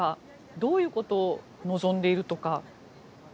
どういうことを望んでいるとか。